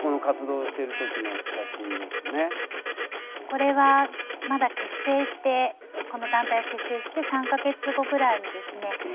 これはまだ結成してこの団体を結成して３か月後ぐらいにですね